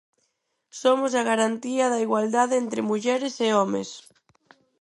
Somos a garantía da igualdade entre mulleres e homes.